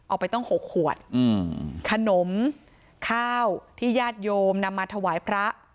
เอาไปต้องหกขวดอืมขนมข้าวที่ญาติโยมนำมาถวายพระ